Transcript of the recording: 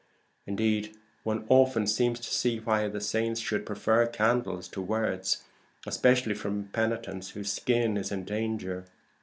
Indeed, one often seems to see why the saints should prefer candles to words, especially from penitents whose skin is in danger.